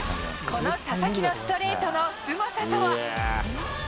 この佐々木のストレートのすごさとは。